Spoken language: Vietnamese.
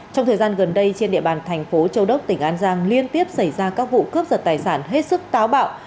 trong thời gian gần đây trên địa bàn thành phố châu đốc tỉnh an giang liên tiếp xảy ra các vụ cướp giật tài sản hết sức táo bạo